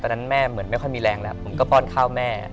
แม่เหมือนไม่ค่อยมีแรงแล้วผมก็ป้อนข้าวแม่